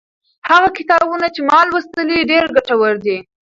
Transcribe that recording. هغه کتابونه چې ما لوستي، ډېر ګټور دي.